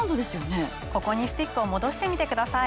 ここにスティックを戻してみてください。